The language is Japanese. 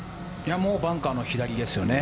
もうバンカーの左ですよね。